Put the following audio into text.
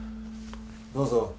どうぞ。